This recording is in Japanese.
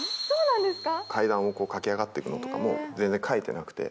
階段を駆け上がっていくのとかも、全然書いてなくて。